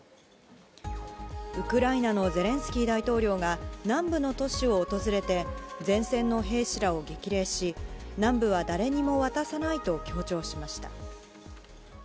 ウクライナのゼレンスキー大統領が、南部の都市を訪れて、前線の兵士らを激励し、南部は誰にも渡さないと強調しました。